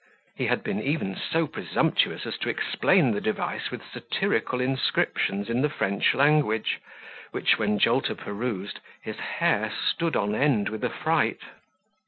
He had been even so presumptuous as to explain the device with satirical inscriptions in the French language, which, when Jolter perused, his hair stood on end with affright.